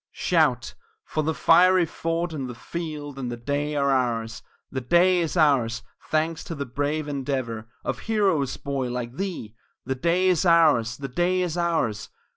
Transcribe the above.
Shout for the fiery fort, and the field, and the day are ours The day is ours thanks to the brave endeavor Of heroes, boy, like thee! The day is ours the day is ours!